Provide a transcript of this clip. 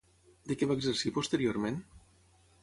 De què va exercir posteriorment?